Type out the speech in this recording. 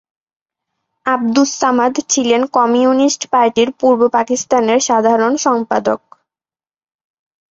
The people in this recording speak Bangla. আবদুস সামাদ ছিলেন কমিউনিস্ট পার্টির পূর্ব পাকিস্তানের সাধারণ সম্পাদক।